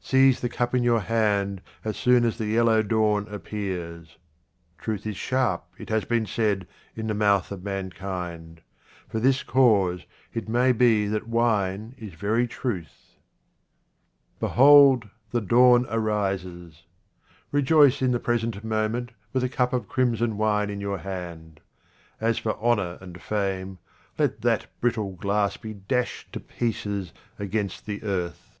Seize the cup in your hand as soon as the yellow dawn appears. Truth is sharp, it has been said, in the mouth of mankind ; for this cause it may be that wine is very truth. 1 A QUATRAINS OF OMAR KHAYYAM Behold, the dawn arises. Rejoice in the present moment with a cup of crimson wine in your hand. As for honour and fame, let that brittle glass be dashed to pieces against the earth.